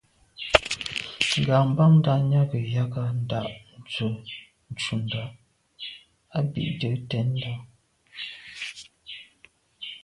Ŋgàbándá nyâgə̀ ják á ndɑ̌’ ndzwə́ ncúndá á bì’də̌ tɛ̌ndá.